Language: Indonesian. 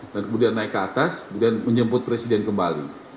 dan kemudian naik ke atas dan menjemput presiden kembali